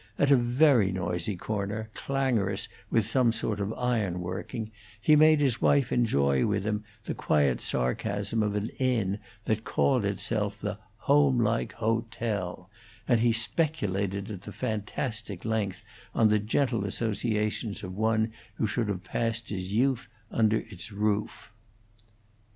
At a very noisy corner, clangorous with some sort of ironworking, he made his wife enjoy with him the quiet sarcasm of an inn that called itself the Home like Hotel, and he speculated at fantastic length on the gentle associations of one who should have passed his youth under its roof.